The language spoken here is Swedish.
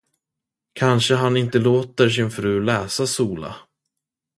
Kanske han inte låter sin fru läsa Zola.